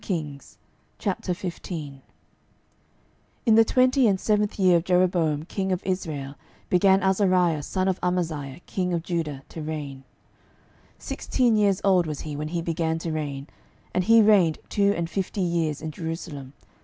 12:015:001 In the twenty and seventh year of Jeroboam king of Israel began Azariah son of Amaziah king of Judah to reign. 12:015:002 Sixteen years old was he when he began to reign, and he reigned two and fifty years in Jerusalem.